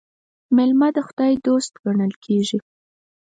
مېلمه د خداى دوست ګڼل کېږي.